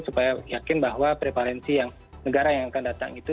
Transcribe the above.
supaya yakin bahwa prevalensi yang negara yang akan datang itu